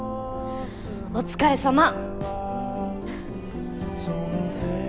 お疲れさま。